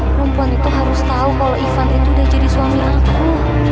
perempuan itu harus tahu kalau ivan itu udah jadi suami aku